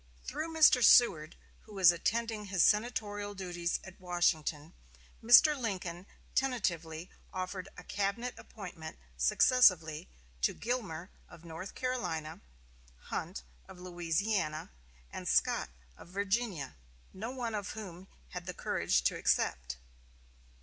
Through Mr. Seward, who was attending his senatorial duties at Washington, Mr. Lincoln tentatively offered a cabinet appointment successively to Gilmer of North Carolina, Hunt of Louisiana and Scott of Virginia, no one of whom had the courage to accept.